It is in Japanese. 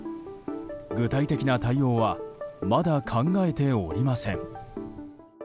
具体的な対応はまだ考えておりません。